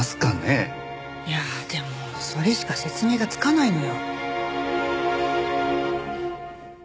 いやでもそれしか説明がつかないのよ。